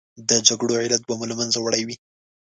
د جګړو علت به مو له منځه وړی وي.